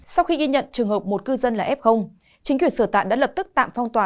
sau khi ghi nhận trường hợp một cư dân là f chính quyền sở tại đã lập tức tạm phong tỏa